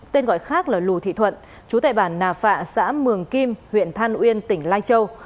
tên gọi khác là lù thị thuận chú tại bản nà phạ xã mường kim huyện than uyên tỉnh lai châu